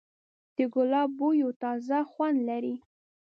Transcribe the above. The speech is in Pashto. د ګلاب بوی یو تازه خوند لري.